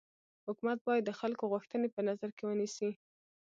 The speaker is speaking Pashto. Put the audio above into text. حکومت باید د خلکو غوښتني په نظر کي ونيسي.